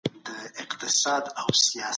زلفي او باڼه اشـــنـا